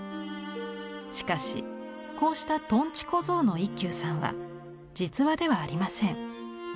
しかしこうしたとんち小僧の一休さんは実話ではありません。